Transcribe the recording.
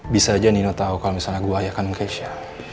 bisa aja nino tau kalau misalnya gue ayahkan keisha